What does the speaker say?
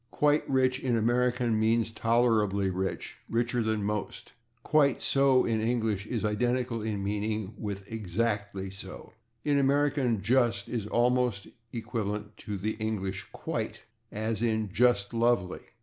/Quite rich/, in American, [Pg117] means tolerably rich, richer than most; /quite so/, in English, is identical in meaning with /exactly so/. In American /just/ is almost equivalent to the English /quite/, as in /just lovely